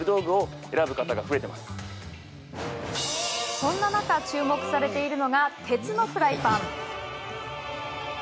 そんな中、注目されているのが鉄のフライパン。